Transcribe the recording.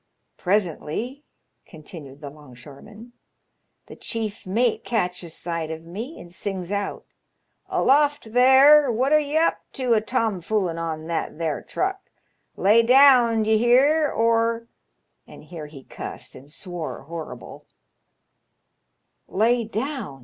''Presently," continued the longshoreman, "the chief mate catches sight of me, and sings out, 'Aloft there ! What are ye up to a tomfoolin* on that there truck ? Lay down, d ye hear, or * an' here he cussed and swore horrible," " Lay down